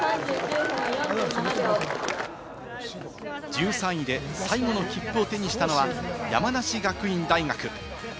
１３位で最後の切符を手にしたのは山梨学院大学。